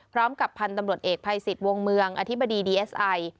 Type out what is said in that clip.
พร้อมกับพันธุ์ตำรวจเอกภัยสิทธิ์วงเมืองอธิบดีดีเอสไอ